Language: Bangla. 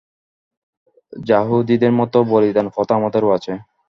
য়াহুদীদের মত বলিদান-প্রথা আমাদেরও আছে।